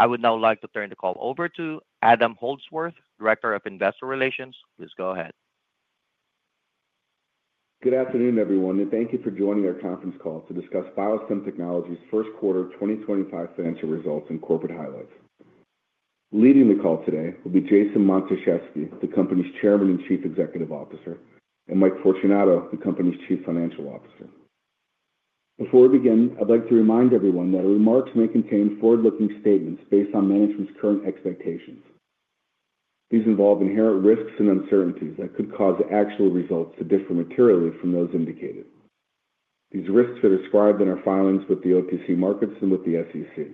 I would now like to turn the call over to Adam Holdsworth, Director of Investor Relations. Please go ahead. Good afternoon, everyone, and thank you for joining our conference call to discuss BioStem Technologies First Quarter 2025 Financial Results and Corporate Highlights. Leading the call today will be Jason Matuszewski, the company's Chairman and Chief Executive Officer, and Mike Fortunato, the company's Chief Financial Officer. Before we begin, I'd like to remind everyone that our remarks may contain forward-looking statements based on management's current expectations. These involve inherent risks and uncertainties that could cause actual results to differ materially from those indicated. These risks are described in our filings with the OTC Markets and with the SEC.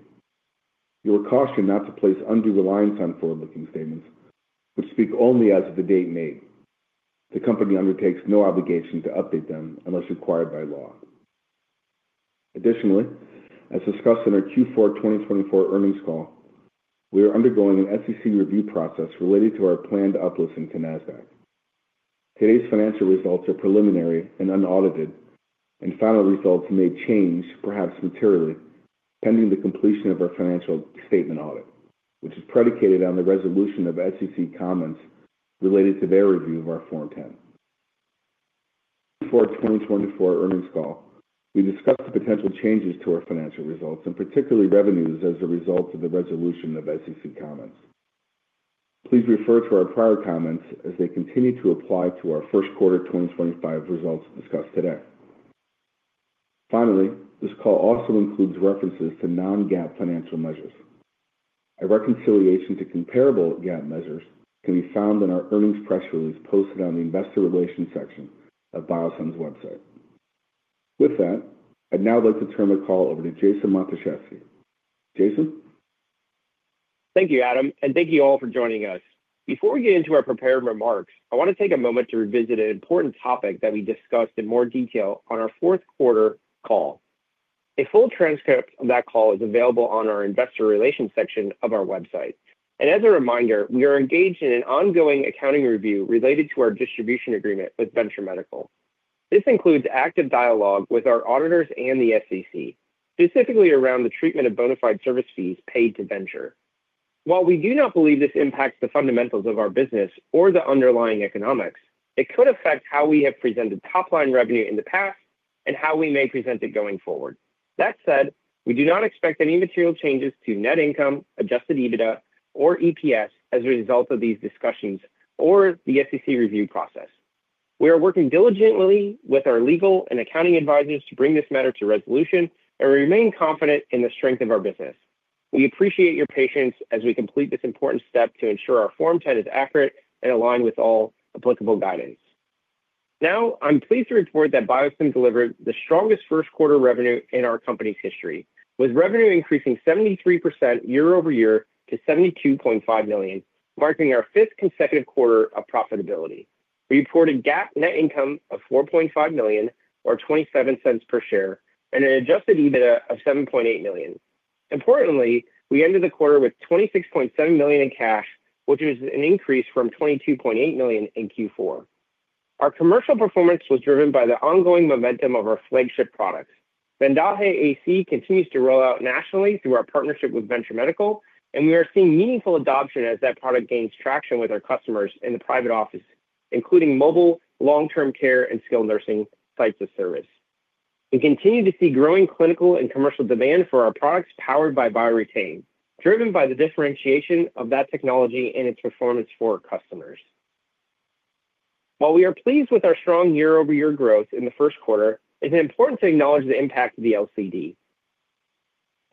You are cautioned not to place undue reliance on forward-looking statements, which speak only as of the date made. The company undertakes no obligation to update them unless required by law. Additionally, as discussed in our Q4 2024 earnings call, we are undergoing an SEC review process related to our planned uplisting to NASDAQ. Today's financial results are preliminary and unaudited, and final results may change, perhaps materially, pending the completion of our financial statement audit, which is predicated on the resolution of SEC comments related to their review of our Form 10. In the Q4 2024 earnings call, we discussed the potential changes to our financial results, and particularly revenues, as a result of the resolution of SEC comments. Please refer to our prior comments as they continue to apply to our first quarter 2025 results discussed today. Finally, this call also includes references to non-GAAP financial measures. A reconciliation to comparable GAAP measures can be found in our earnings press release posted on the Investor Relations section of BioStem Technologies' website. With that, I'd now like to turn the call over to Jason Matuszewski. Jason? Thank you Adam and thank you all for joining us. Before we get into our prepared remarks, I want to take a moment to revisit an important topic that we discussed in more detail on our fourth quarter call. A full transcript of that call is available on our Investor Relations section of our website. As a reminder, we are engaged in an ongoing accounting review related to our distribution agreement with Venture Medical. This includes active dialogue with our auditors and the SEC, specifically around the treatment of bona fide service fees paid to Venture. While we do not believe this impacts the fundamentals of our business or the underlying economics, it could affect how we have presented top-line revenue in the past and how we may present it going forward. That said, we do not expect any material changes to net income, adjusted EBITDA, or EPS as a result of these discussions or the SEC review process. We are working diligently with our legal and accounting advisors to bring this matter to resolution and remain confident in the strength of our business. We appreciate your patience as we complete this important step to ensure our Form 10 is accurate and aligned with all applicable guidance. Now, I'm pleased to report that BioStem delivered the strongest first quarter revenue in our company's history, with revenue increasing 73% year over year to $72.5 million, marking our fifth consecutive quarter of profitability. We reported GAAP net income of $4.5 million, or $0.27 per share, and an adjusted EBITDA of $7.8 million. Importantly, we ended the quarter with $26.7 million in cash, which was an increase from $22.8 million in Q4. Our commercial performance was driven by the ongoing momentum of our flagship products. VENDAJE AC continues to roll out nationally through our partnership with Venture Medical, and we are seeing meaningful adoption as that product gains traction with our customers in the private office, including mobile, long-term care, and skilled nursing types of service. We continue to see growing clinical and commercial demand for our products powered by BioRetain, driven by the differentiation of that technology and its performance for our customers. While we are pleased with our strong year-over-year growth in the first quarter, it's important to acknowledge the impact of the LCD.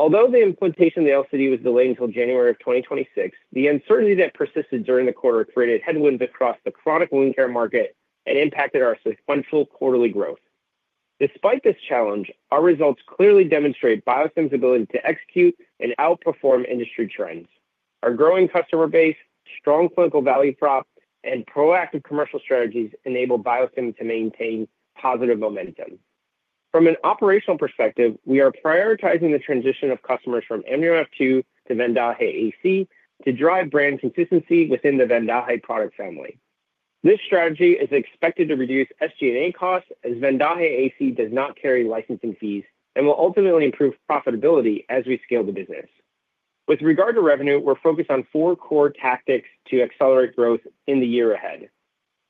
Although the implementation of the LCD was delayed until January of 2026, the uncertainty that persisted during the quarter created headwinds across the chronic wound care market and impacted our sequential quarterly growth. Despite this challenge, our results clearly demonstrate BioStem's ability to execute and outperform industry trends. Our growing customer base, strong clinical value prop, and proactive commercial strategies enable BioStem to maintain positive momentum. From an operational perspective, we are prioritizing the transition of customers from AmnioWrap2 to VENDAJE AC to drive brand consistency within the VENDAJE product family. This strategy is expected to reduce SG&A costs as VENDAJE AC does not carry licensing fees and will ultimately improve profitability as we scale the business. With regard to revenue, we're focused on four core tactics to accelerate growth in the year ahead.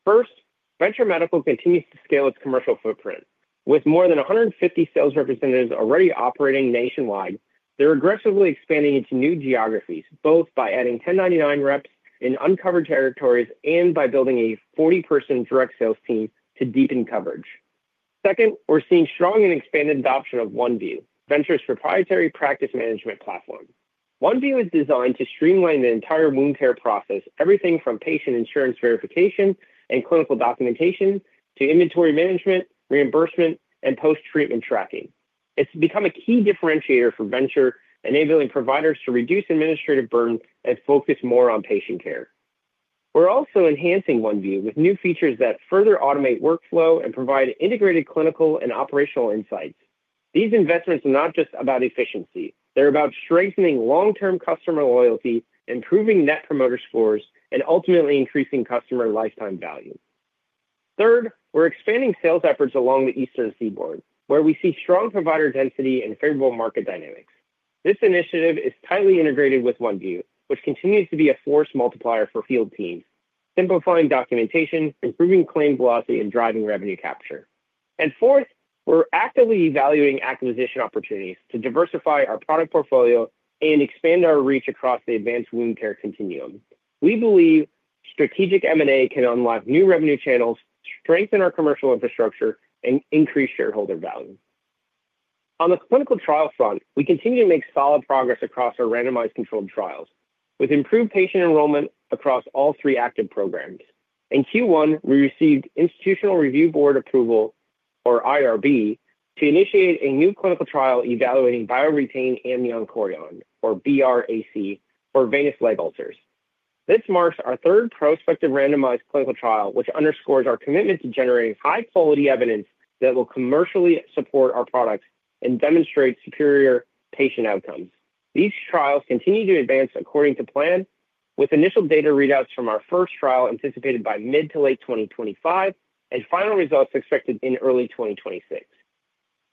First, Venture Medical continues to scale its commercial footprint. With more than 150 sales representatives already operating nationwide, they're aggressively expanding into new geographies, both by adding 1099 reps in uncovered territories and by building a 40-person direct sales team to deepen coverage. Second, we're seeing strong and expanded adoption of OneView, Venture's proprietary practice management platform. OneView is designed to streamline the entire wound care process, everything from patient insurance verification and clinical documentation to inventory management, reimbursement, and post-treatment tracking. It's become a key differentiator for Venture, enabling providers to reduce administrative burden and focus more on patient care. We're also enhancing OneView with new features that further automate workflow and provide integrated clinical and operational insights. These investments are not just about efficiency. They're about strengthening long-term customer loyalty, improving net promoter scores, and ultimately increasing customer lifetime value. Third, we're expanding sales efforts along the Eastern Seaboard, where we see strong provider density and favorable market dynamics. This initiative is tightly integrated with OneView, which continues to be a force multiplier for field teams, simplifying documentation, improving claim velocity, and driving revenue capture. Fourth, we're actively evaluating acquisition opportunities to diversify our product portfolio and expand our reach across the advanced wound care continuum. We believe strategic M&A can unlock new revenue channels, strengthen our commercial infrastructure, and increase shareholder value. On the clinical trial front, we continue to make solid progress across our randomized controlled trials, with improved patient enrollment across all three active programs. In Q1, we received Institutional Review Board approval, or IRB, to initiate a new clinical trial evaluating BioRetain Amnion Chorion or BR-AC for venous leg ulcers. This marks our third prospective randomized clinical trial, which underscores our commitment to generating high-quality evidence that will commercially support our products and demonstrate superior patient outcomes. These trials continue to advance according to plan, with initial data readouts from our first trial anticipated by mid to late 2025 and final results expected in early 2026.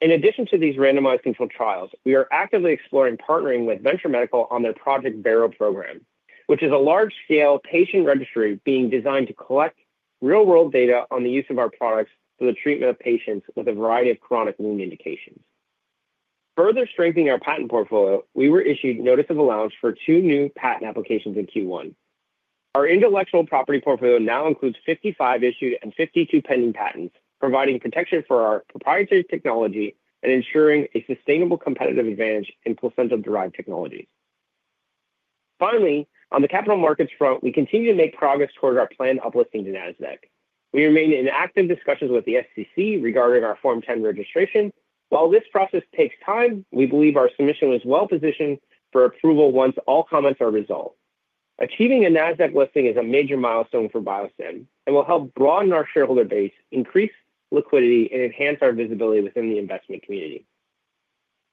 In addition to these randomized controlled trials, we are actively exploring partnering with Venture Medical on their Project Barrow program, which is a large-scale patient registry being designed to collect real-world data on the use of our products for the treatment of patients with a variety of chronic wound indications. Further strengthening our patent portfolio, we were issued notice of allowance for two new patent applications in Q1. Our intellectual property portfolio now includes 55 issued and 52 pending patents, providing protection for our proprietary technology and ensuring a sustainable competitive advantage in placental-derived technologies. Finally, on the capital markets front, we continue to make progress toward our planned uplisting to NASDAQ. We remain in active discussions with the SEC regarding our Form 10 registration. While this process takes time, we believe our submission was well-positioned for approval once all comments are resolved. Achieving a NASDAQ listing is a major milestone for BioStem and will help broaden our shareholder base, increase liquidity, and enhance our visibility within the investment community.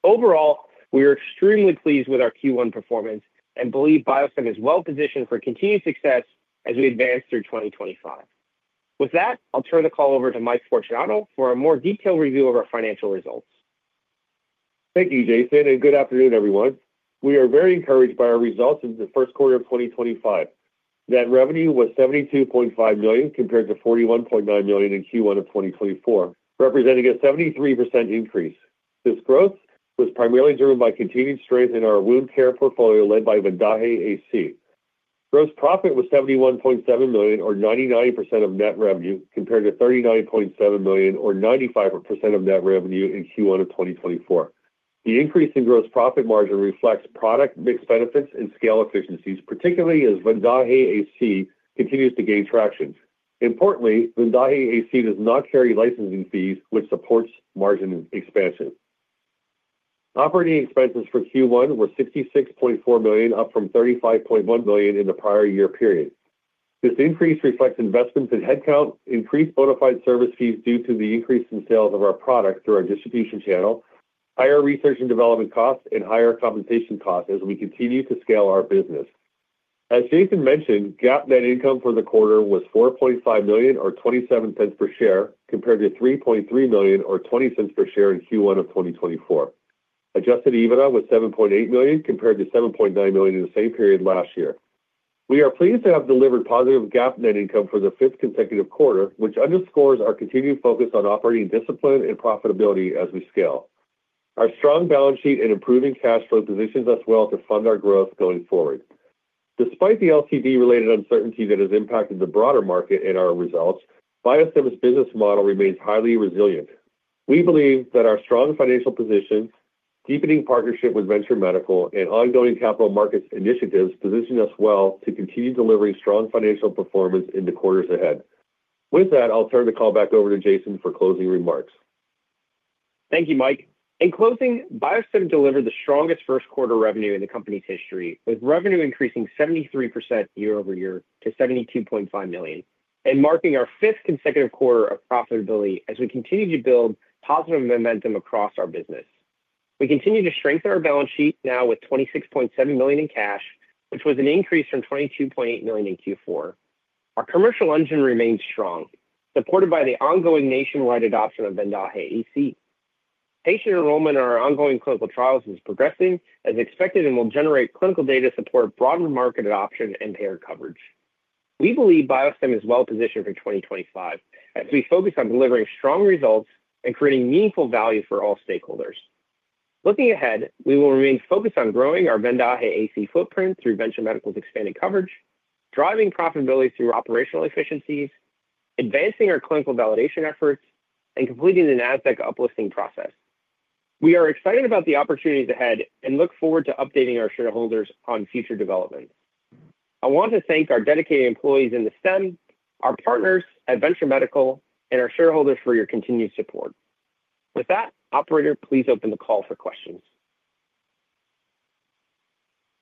Overall, we are extremely pleased with our Q1 performance and believe BioStem is well-positioned for continued success as we advance through 2025. With that, I'll turn the call over to Mike Fortunato for a more detailed review of our financial results. Thank you, Jason, and good afternoon, everyone. We are very encouraged by our results in the first quarter of 2025. Net revenue was $72.5 million compared to $41.9 million in Q1 of 2024, representing a 73% increase. This growth was primarily driven by continued strength in our wound care portfolio led by VENDAJE AC. Gross profit was $71.7 million, or 99% of net revenue, compared to $39.7 million, or 95% of net revenue in Q1 of 2024. The increase in gross profit margin reflects product mix benefits and scale efficiencies, particularly as VENDAJE AC continues to gain traction. Importantly, VENDAJE AC does not carry licensing fees, which supports margin expansion. Operating expenses for Q1 were $66.4 million, up from $35.1 million in the prior year period. This increase reflects investments in headcount, increased bona fide service fees due to the increase in sales of our product through our distribution channel, higher research and development costs, and higher compensation costs as we continue to scale our business. As Jason mentioned, GAAP net income for the quarter was $4.5 million, or $0.27 per share, compared to $3.3 million, or $0.20 per share in Q1 of 2024. Adjusted EBITDA was $7.8 million, compared to $7.9 million in the same period last year. We are pleased to have delivered positive GAAP net income for the fifth consecutive quarter, which underscores our continued focus on operating discipline and profitability as we scale. Our strong balance sheet and improving cash flow positions us well to fund our growth going forward. Despite the LCD-related uncertainty that has impacted the broader market and our results, BioStem's business model remains highly resilient. We believe that our strong financial position, deepening partnership with Venture Medical, and ongoing capital markets initiatives position us well to continue delivering strong financial performance in the quarters ahead. With that, I'll turn the call back over to Jason for closing remarks. Thank you Mike. In closing, BioStem delivered the strongest first quarter revenue in the company's history, with revenue increasing 73% year over year to $72.5 million and marking our fifth consecutive quarter of profitability as we continue to build positive momentum across our business. We continue to strengthen our balance sheet now with $26.7 million in cash, which was an increase from $22.8 million in Q4. Our commercial engine remains strong, supported by the ongoing nationwide adoption of VENDAJE AC. Patient enrollment in our ongoing clinical trials is progressing, as expected, and will generate clinical data to support broader market adoption and payer coverage. We believe BioStem is well-positioned for 2025 as we focus on delivering strong results and creating meaningful value for all stakeholders. Looking ahead, we will remain focused on growing our VENDAJE AC footprint through Venture Medical's expanded coverage, driving profitability through operational efficiencies, advancing our clinical validation efforts, and completing the NASDAQ uplisting process. We are excited about the opportunities ahead and look forward to updating our shareholders on future developments. I want to thank our dedicated employees in the STEM, our partners at Venture Medical, and our shareholders for your continued support. With that, operator, please open the call for questions.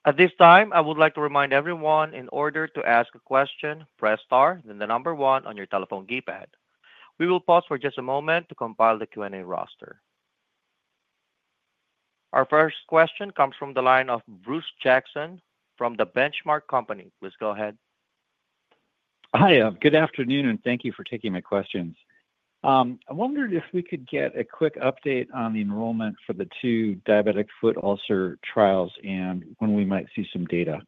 At this time, I would like to remind everyone in order to ask a question, press star, then the number one on your telephone keypad. We will pause for just a moment to compile the Q&A roster. Our first question comes from the line of Bruce Jackson from the Benchmark Company. Please go ahead. Hi, good afternoon, and thank you for taking my questions. I wondered if we could get a quick update on the enrollment for the two diabetic foot ulcer trials and when we might see some data.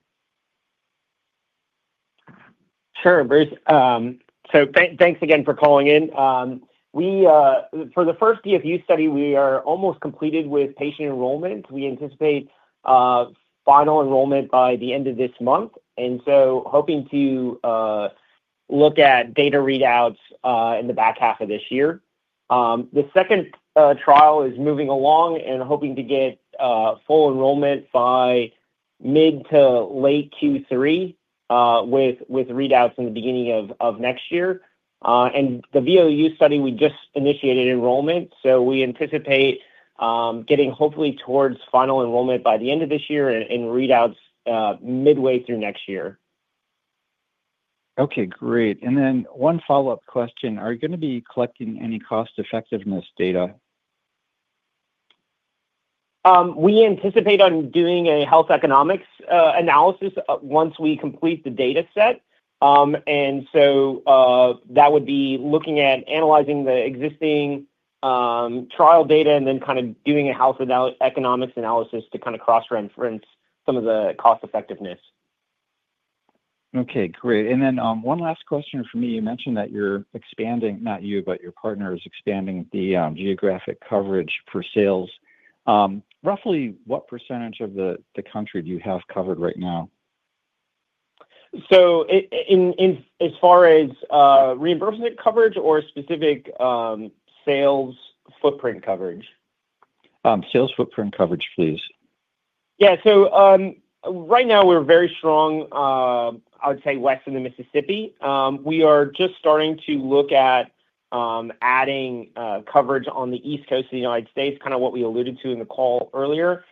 Sure Bruce, so thanks again for calling in. For the first DFU study, we are almost completed with patient enrollment. We anticipate final enrollment by the end of this month, and so hoping to look at data readouts in the back half of this year. The second trial is moving along and hoping to get full enrollment by mid to late Q3 with readouts in the beginning of next year. And the VLU study, we just initiated enrollment, so we anticipate getting hopefully towards final enrollment by the end of this year and readouts midway through next year. Okay great. One follow-up question. Are you going to be collecting any cost-effectiveness data? We anticipate on doing a health economics analysis once we complete the data set. That would be looking at analyzing the existing trial data and then kind of doing a health economics analysis to kind of cross-reference some of the cost-effectiveness. Okay great. And then one last question for me. You mentioned that you're expanding, not you, but your partners expanding the geographic coverage for sales. Roughly, what % of the country do you have covered right now? So as far as reimbursement coverage or specific sales footprint coverage? Sales footprint coverage, please. Yeah. Right now, we're very strong, I would say, west of the Mississippi. We are just starting to look at adding coverage on the East Coast of the United States, kind of what we alluded to in the call earlier.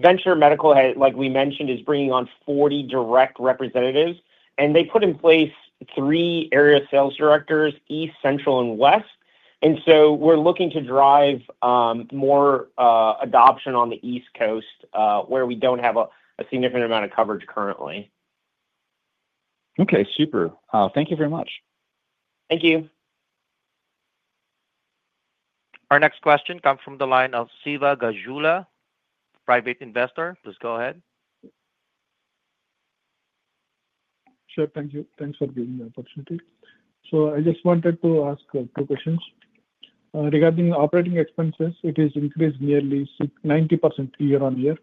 Venture Medical, like we mentioned, is bringing on 40 direct representatives, and they put in place three area sales directors, east, central, and west. We are looking to drive more adoption on the East Coast where we do not have a significant amount of coverage currently. Okay, super. Thank you very much. Thank you. Our next question comes from the line of Siva Gajula, private investor. Please go ahead. Sure, thank you. Thanks for giving me the opportunity. I just wanted to ask two questions. Regarding operating expenses, it has increased nearly 90%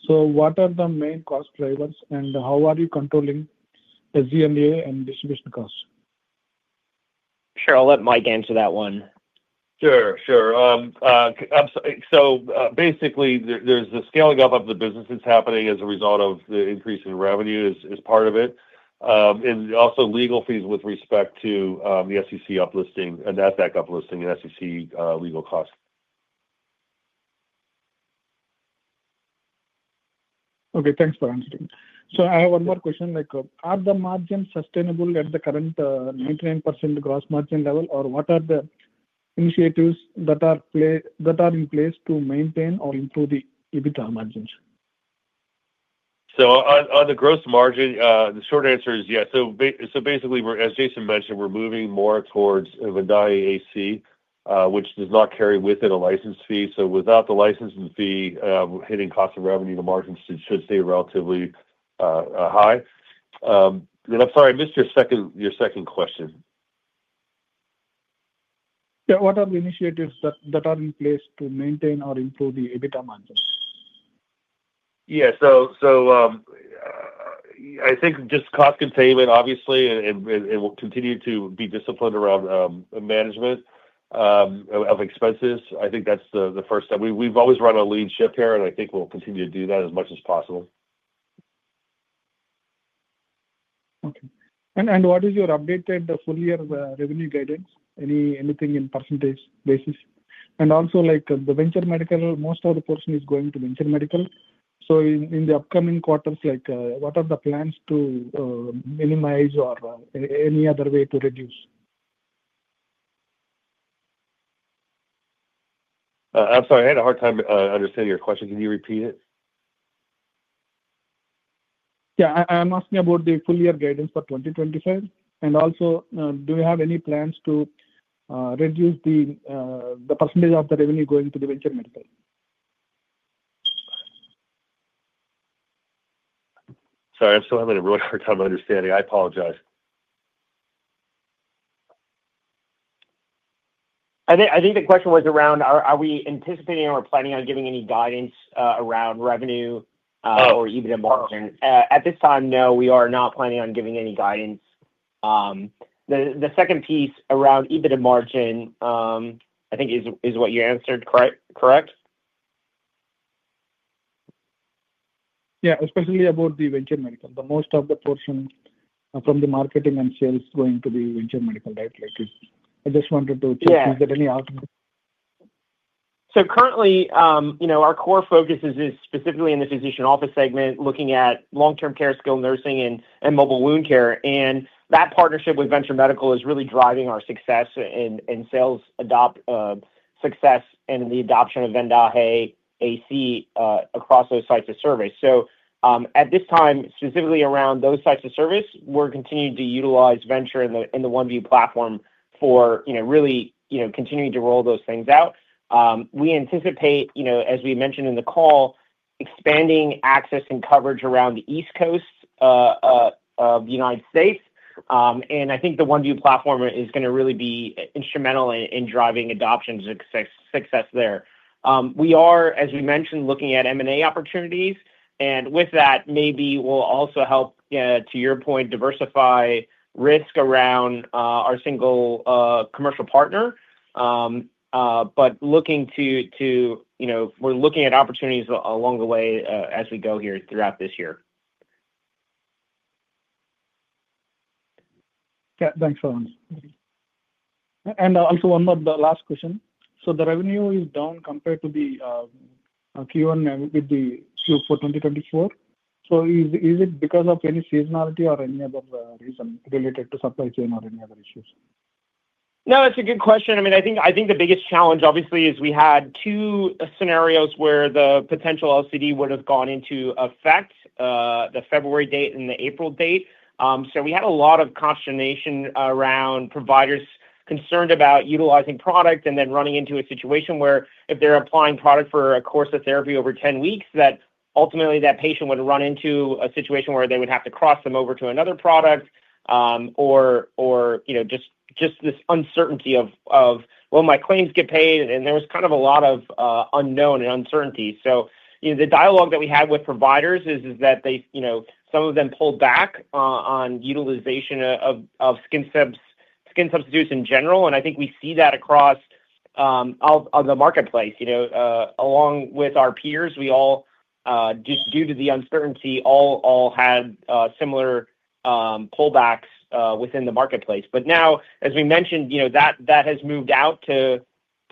year-on-year. What are the main cost drivers, and how are you controlling the SG&A and distribution costs? Sure. I'll let Mike answer that one. Sure, sure. So basically, there's the scaling up of the business that's happening as a result of the increase in revenue is part of it. And also legal fees with respect to the SEC uplisting, NASDAQ uplisting, and SEC legal costs. Okay, thanks for answering. I have one more question. Are the margins sustainable at the current 99% gross margin level, or what are the initiatives that are in place to maintain or improve the EBITDA margins? On the gross margin, the short answer is yes. Basically, as Jason mentioned, we're moving more towards VENDAJE AC, which does not carry with it a license fee. Without the license fee hitting cost of revenue, the margins should stay relatively high. I'm sorry, I missed your second question. Yeah. What are the initiatives that are in place to maintain or improve the EBITDA margin? Yeah. I think just cost containment, obviously, and we'll continue to be disciplined around management of expenses. I think that's the first step. We've always run a lean ship here, and I think we'll continue to do that as much as possible. Okay. What is your updated full-year revenue guidance? Anything in % basis? Also, the Venture Medical, most of the portion is going to Venture Medical. In the upcoming quarters, what are the plans to minimize or any other way to reduce? I'm sorry, I had a hard time understanding your question. Can you repeat it? Yeah. I'm asking about the full-year guidance for 2025. Also, do you have any plans to reduce the percentage of the revenue going to Venture Medical? Sorry, I'm still having a really hard time understanding. I apologize. I think the question was around, are we anticipating or planning on giving any guidance around revenue or EBITDA margin? At this time, no, we are not planning on giving any guidance. The second piece around EBITDA margin, I think, is what you answered, correct? Yeah, especially about the Venture Medical. The most of the portion from the marketing and sales going to be Venture Medical, right? I just wanted to check. Is there any other? Currently, our core focus is specifically in the physician office segment, looking at long-term care, skilled nursing, and mobile wound care. That partnership with Venture Medical is really driving our success and sales success and the adoption of VENDAJE AC across those sites of service. At this time, specifically around those sites of service, we are continuing to utilize Venture and the OneView platform for really continuing to roll those things out. We anticipate, as we mentioned in the call, expanding access and coverage around the East Coast of the United States. I think the OneView platform is going to really be instrumental in driving adoption success there. We are, as we mentioned, looking at M&A opportunities. With that, maybe we will also help, to your point, diversify risk around our single commercial partner. We're looking at opportunities along the way as we go here throughout this year. Yeah, thanks for that. Also, one more last question. The revenue is down compared to the Q1 with the Q4 2024. Is it because of any seasonality or any other reason related to supply chain or any other issues? No, that's a good question. I mean, I think the biggest challenge, obviously, is we had two scenarios where the potential LCD would have gone into effect, the February date and the April date. We had a lot of consternation around providers concerned about utilizing product and then running into a situation where if they're applying product for a course of therapy over 10 weeks, that ultimately that patient would run into a situation where they would have to cross them over to another product or just this uncertainty of, "Will my claims get paid?" There was kind of a lot of unknown and uncertainty. The dialogue that we had with providers is that some of them pulled back on utilization of skin substitutes in general. I think we see that across the marketplace. Along with our peers, we all, due to the uncertainty, all had similar pullbacks within the marketplace. Now, as we mentioned, that has moved out to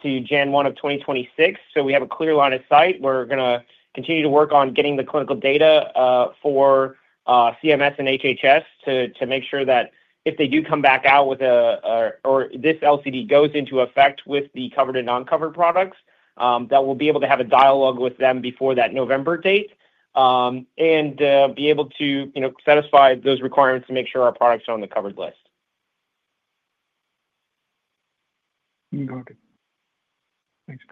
January 1 of 2026. We have a clear line of sight. We're going to continue to work on getting the clinical data for CMS and HHS to make sure that if they do come back out with a or this LCD goes into effect with the covered and non-covered products, we'll be able to have a dialogue with them before that November date and be able to satisfy those requirements to make sure our products are on the covered list. Got it. Thanks.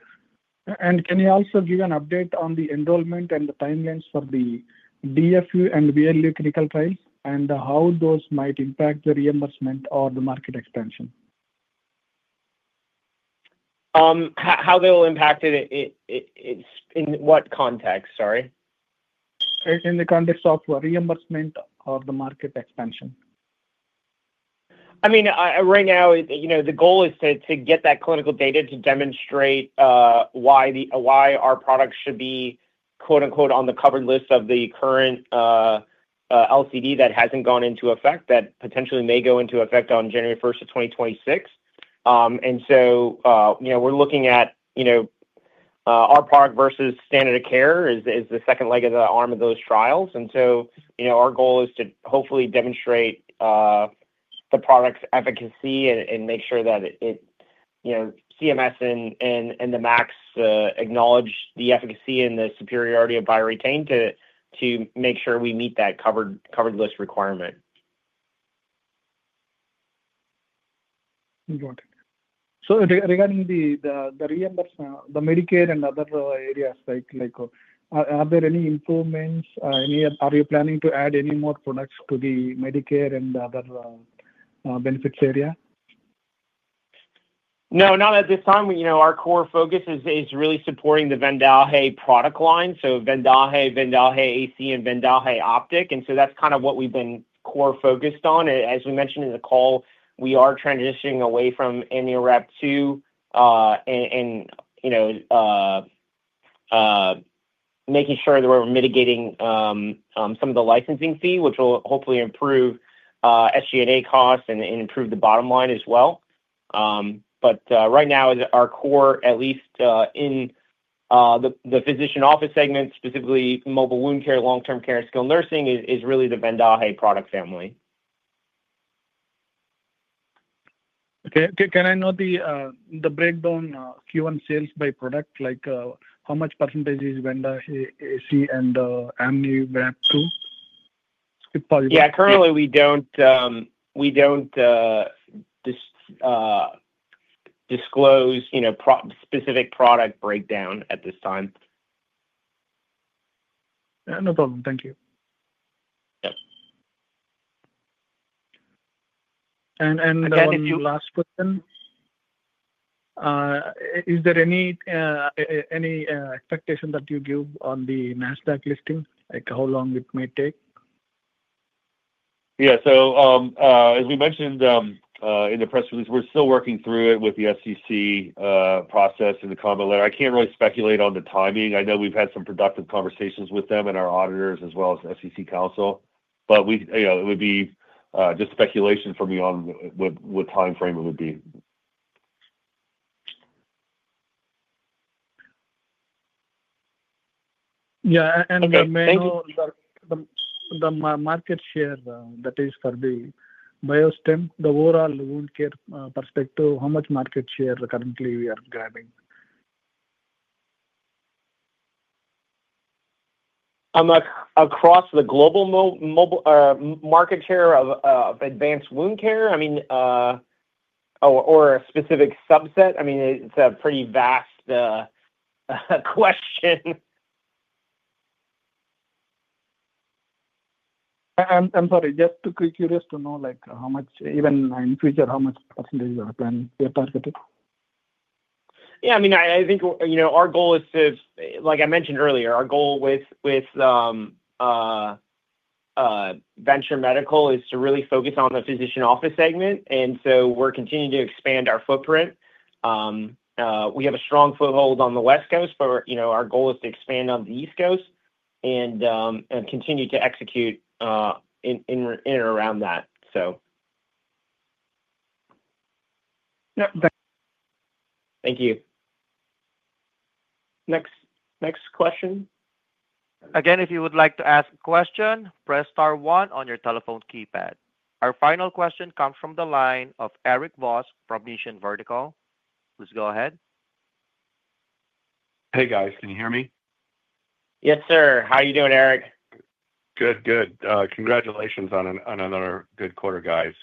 Can you also give an update on the enrollment and the timelines for the DFU and VLU clinical trials and how those might impact the reimbursement or the market expansion? How they'll impact it in what context? Sorry. In the context of reimbursement or the market expansion? I mean, right now, the goal is to get that clinical data to demonstrate why our product should be "on the covered list" of the current LCD that hasn't gone into effect, that potentially may go into effect on January 1, 2026. We are looking at our product versus standard of care as the second leg of the arm of those trials. Our goal is to hopefully demonstrate the product's efficacy and make sure that CMS and the MACs acknowledge the efficacy and the superiority of Bioretain to make sure we meet that covered list requirement. Got it. So regarding the reimbursement, the Medicare and other areas, are there any improvements? Are you planning to add any more products to the Medicare and other benefits area? No, not at this time. Our core focus is really supporting the VENDAJE product line. VENDAJE, VENDAJE AC, and VENDAJE Optic. That is kind of what we have been core focused on. As we mentioned in the call, we are transitioning away from AmnioWrap2 and making sure that we are mitigating some of the licensing fee, which will hopefully improve SG&A costs and improve the bottom line as well. Right now, our core, at least in the physician office segment, specifically mobile wound care, long-term care, and skilled nursing, is really the Vendalha product family. Okay. Can I know the breakdown Q1 sales by product? How much % is VENDAJE AC and AmnioWrap2? Yeah. Currently, we don't disclose specific product breakdown at this time. No problem. Thank you. Yeah. And. Again, if you. Last question. Is there any expectation that you give on the NASDAQ listing, how long it may take? Yeah. As we mentioned in the press release, we're still working through it with the SEC process and the comment letter. I can't really speculate on the timing. I know we've had some productive conversations with them and our auditors as well as SEC counsel. It would be just speculation for me on what timeframe it would be. Yeah. The market share that is for BioStem, the overall wound care perspective, how much market share currently we are grabbing? Across the global market share of advanced wound care, I mean, or a specific subset? I mean, it's a pretty vast question. I'm sorry. Just curious to know how much, even in the future, how much % are you targeting? Yeah. I mean, I think our goal is to, like I mentioned earlier, our goal with Venture Medical is to really focus on the physician office segment. And so we're continuing to expand our footprint. We have a strong foothold on the West Coast, but our goal is to expand on the East Coast and continue to execute in and around that, so. Yeah. Thank you. Next question. Again, if you would like to ask a question, press star 1 on your telephone keypad. Our final question comes from the line of Erik Voss from Mission Vertical. Please go ahead. Hey, guys. Can you hear me? Yes, sir. How are you doing, Erik? Good, good. Congratulations on another good quarter, guys.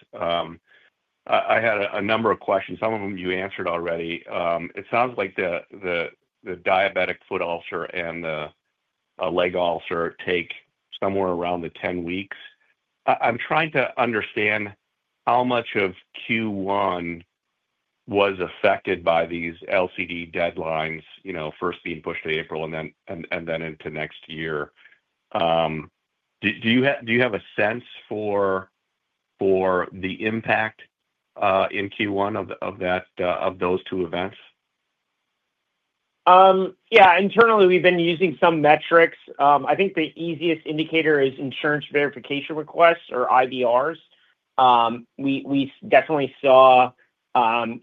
I had a number of questions. Some of them you answered already. It sounds like the diabetic foot ulcer and the leg ulcer take somewhere around 10 weeks. I'm trying to understand how much of Q1 was affected by these LCD deadlines, first being pushed to April and then into next year. Do you have a sense for the impact in Q1 of those two events? Yeah. Internally, we've been using some metrics. I think the easiest indicator is insurance verification requests or IVRs. We definitely saw some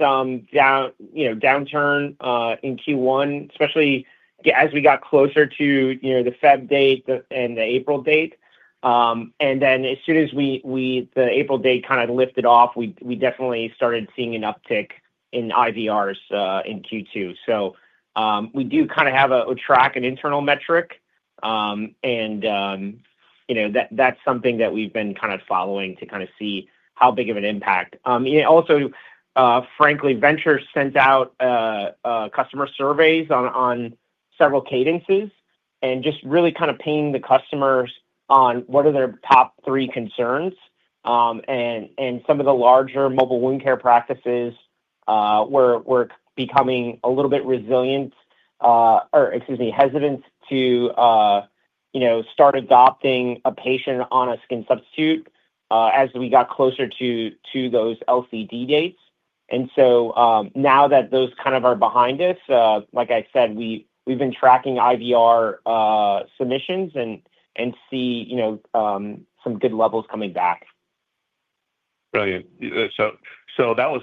downturn in Q1, especially as we got closer to the February date and the April date. As soon as the April date kind of lifted off, we definitely started seeing an uptick in IVRs in Q2. We do kind of have a track and internal metric. That's something that we've been kind of following to kind of see how big of an impact. Also, frankly, Venture sent out customer surveys on several cadences and just really kind of pinging the customers on what are their top three concerns. Some of the larger mobile wound care practices were becoming a little bit resilient or, excuse me, hesitant to start adopting a patient on a skin substitute as we got closer to those LCD dates. Now that those kind of are behind us, like I said, we've been tracking IVR submissions and see some good levels coming back. Brilliant. That was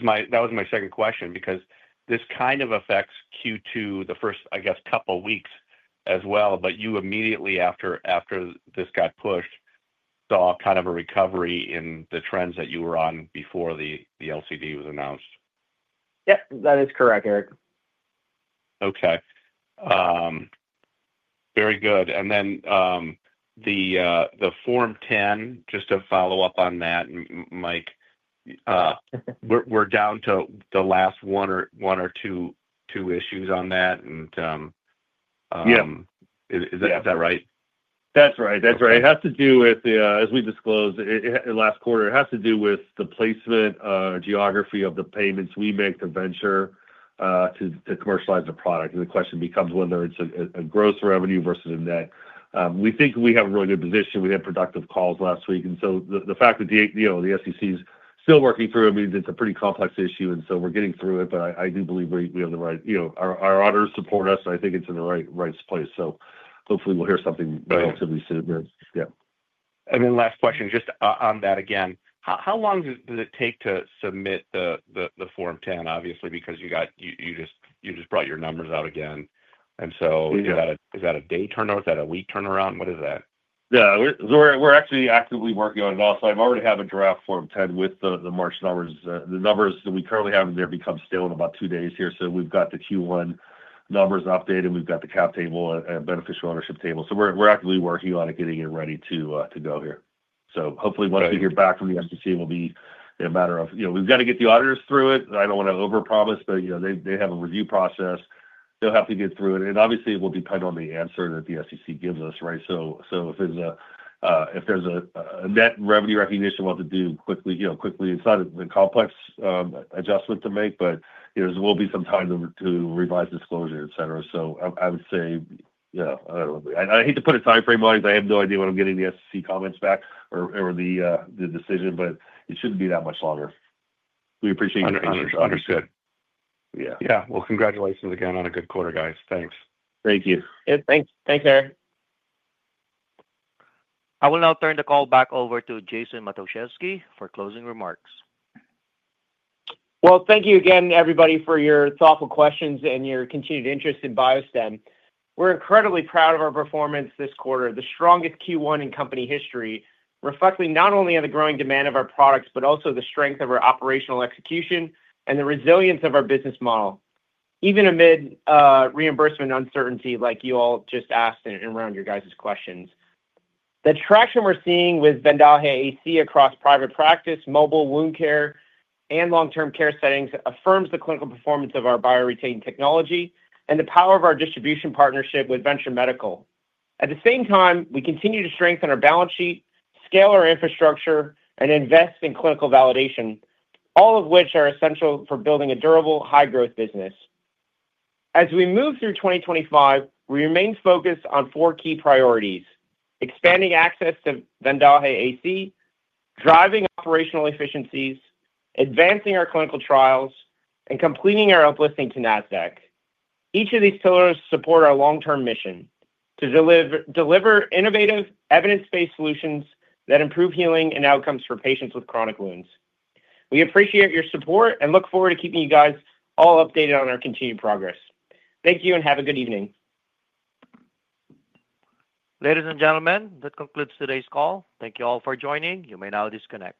my second question because this kind of affects Q2, the first, I guess, couple of weeks as well. You immediately after this got pushed, saw kind of a recovery in the trends that you were on before the LCD was announced. Yep. That is correct, Erik. Okay. Very good. And then the Form 10, just to follow up on that, Mike, we're down to the last one or two issues on that. Is that right? Yeah. That's right. That's right. It has to do with, as we disclosed last quarter, it has to do with the placement geography of the payments we make to Venture to commercialize the product. The question becomes whether it's a gross revenue versus a net. We think we have a really good position. We had productive calls last week. The fact that the SEC is still working through it means it's a pretty complex issue. We're getting through it. I do believe we have the right, our auditors support us. I think it's in the right place. Hopefully, we'll hear something relatively soon. Yeah. Last question just on that again. How long does it take to submit the Form 10, obviously, because you just brought your numbers out again. Is that a day turnaround? Is that a week turnaround? What is that? Yeah. So we're actually actively working on it also. I already have a draft Form 10 with the March numbers. The numbers that we currently have in there become still in about two days here. We've got the Q1 numbers updated. We've got the cap table and beneficial ownership table. We're actively working on it, getting it ready to go here. Hopefully, once we hear back from the SEC, it will be a matter of we've got to get the auditors through it. I don't want to overpromise, but they have a review process. They'll have to get through it. Obviously, it will depend on the answer that the SEC gives us, right? If there's a net revenue recognition, we'll have to do quickly. It's not a complex adjustment to make, but there will be some time to revise disclosure, etc. I would say, yeah, I don't know. I hate to put a timeframe on it because I have no idea when I'm getting the SEC comments back or the decision, but it shouldn't be that much longer. We appreciate your patience. Understood. Yeah. Yeah. Congratulations again on a good quarter, guys. Thanks. Thank you. Thanks, Erik. I will now turn the call back over to Jason Matuszewski for closing remarks. Thank you again, everybody, for your thoughtful questions and your continued interest in BioStem. We're incredibly proud of our performance this quarter, the strongest Q1 in company history, reflecting not only on the growing demand of our products, but also the strength of our operational execution and the resilience of our business model, even amid reimbursement uncertainty, like you all just asked around your guys' questions. The traction we're seeing with VENDAJE AC across private practice, mobile wound care, and long-term care settings affirms the clinical performance of our BioRetain technology and the power of our distribution partnership with Venture Medical. At the same time, we continue to strengthen our balance sheet, scale our infrastructure, and invest in clinical validation, all of which are essential for building a durable, high-growth business. As we move through 2025, we remain focused on four key priorities: expanding access to VENDAJE AC, driving operational efficiencies, advancing our clinical trials, and completing our uplisting to NASDAQ. Each of these pillars supports our long-term mission to deliver innovative, evidence-based solutions that improve healing and outcomes for patients with chronic wounds. We appreciate your support and look forward to keeping you guys all updated on our continued progress. Thank you and have a good evening. Ladies and gentlemen, that concludes today's call. Thank you all for joining. You may now disconnect.